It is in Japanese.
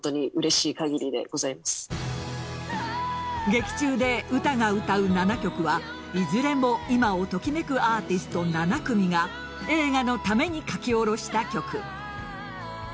劇中でウタが歌う７曲はいずれも、今を時めくアーティスト７組が映画のために書き下ろした曲。